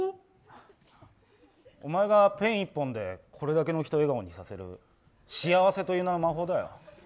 お前がペン１本でこれだけの人を笑顔にできる幸せという名の魔法だよ。